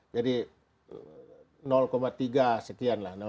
jadi tiga sekian lah tiga puluh dua ya